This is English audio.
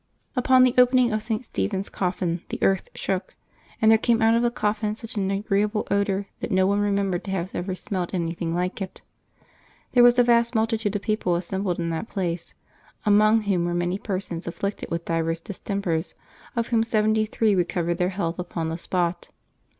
Upon the opening of St. Stephen's coffin the earth shook, and there came out of the coffin euch an agreeable odor that no one remembered to have ever smelled anything like it. There was a vast multitude of people assembled in that place, among whom were many persons afflicted with divers distempers, of whom seventy three recovered their health upon the spot.